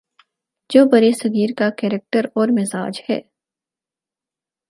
جو برصغیر کا کریکٹر اور مزاج ہے۔